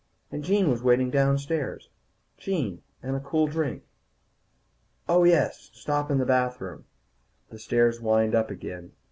And Jean was waiting downstairs, Jean and a cool drink. Oh, yes, stop in the bathroom. The stairs wind up again.